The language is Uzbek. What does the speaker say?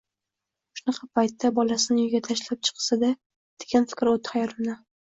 Shunaqa paytda bolasini uyga tashlab chiqishsa-da, degan fikr o`tdi xayolimdan